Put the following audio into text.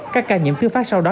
các ca nhiễm tư phát sau đó